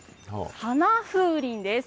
花風鈴です。